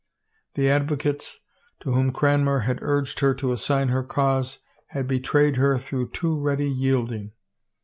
The advocates, to whom Cranmer had urged her to assign her cause, had betrayed her through too ready yielding.